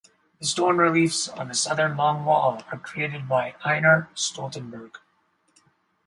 The stone reliefs on the southern long wall are created by Einar Stoltenberg.